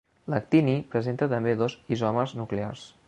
L'actini presenta també dos isòmers nuclears.